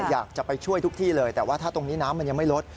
อยากจะไปช่วยทุกที่เลยแต่ว่าถ้าตรงนี้น้ำมันยังไม่ลด